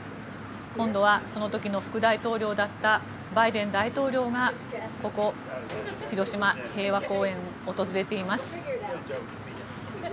今度は、その時の副大統領だったバイデン大統領がここ、広島平和公園を訪れています。